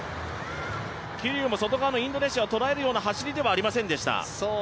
桐生も外側のインドネシアをとらえるような走りではありませんでした。